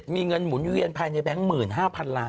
มีเงินหมุนเวียนภายในแบงค์๑๕๐๐๐ล้าน